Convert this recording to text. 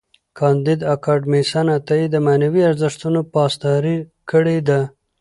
کانديد اکاډميسن عطایي د معنوي ارزښتونو پاسداري کړې ده.